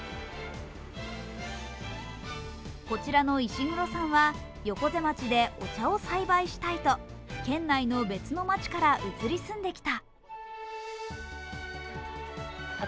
こちらの石黒さんは横瀬町でお茶を栽培したいと県内の別の町から移り住んできた。